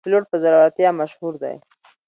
پیلوټ په زړورتیا مشهور دی.